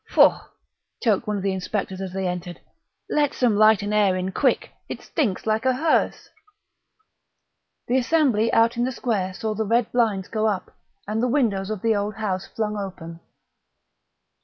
"Faugh!"... choked one of the inspectors as they entered. "Let some light and air in, quick. It stinks like a hearse " The assembly out in the square saw the red blinds go up and the windows of the old house flung open.